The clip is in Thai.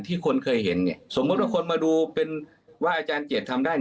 คนเคยเห็นสมมุติว่าคนมาดูเป็นว่าอาจารย์เจียดทำได้